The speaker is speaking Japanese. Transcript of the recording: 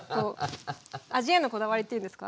味へのこだわりっていうんですか？